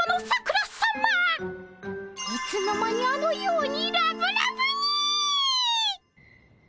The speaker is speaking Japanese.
いつの間にあのようにラブラブに！